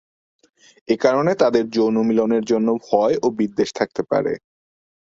এ কারণে তাদের যৌন মিলনের জন্য ভয় ও বিদ্বেষ থাকতে পারে।